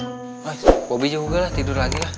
eh bobi juga lah tidur lagi lah